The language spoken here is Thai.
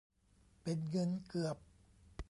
เป็นเงินเกือบ